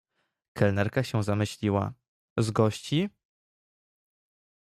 "Kelnerka się zamyśliła: „Z gości?"